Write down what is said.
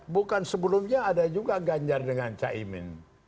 bukan sebelumnya ada juga ganjar dengan cak imin